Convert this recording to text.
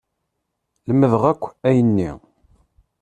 Lemdeɣ akk ayenni.